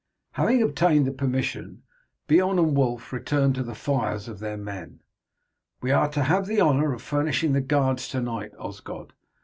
Having obtained the permission, Beorn and Wulf returned to the fires of their men. "We are to have the honour of furnishing the guards to night, Osgod.